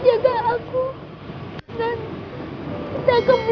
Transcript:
orang yang tadi siang dimakamin